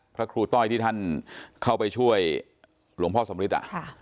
พระครูต้อยที่ท่านเข้าไปช่วยหลวงพ่อสำริท